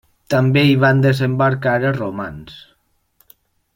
També hi van desembarcar els romans.